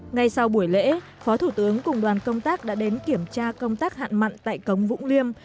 ngay sau buổi lễ phó thủ tướng cùng đoàn công tác đã đến kiểm tra công tác hạn mặn tại cống vũng liêm